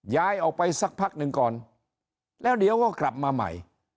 ย้ายออกไปสักพักหนึ่งก่อนแล้วเดี๋ยวก็กลับมาใหม่